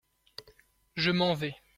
Je m’en vais.